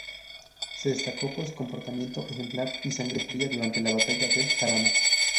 Se destacó por su comportamiento ejemplar y sangre fria durante la batalla del Jarama.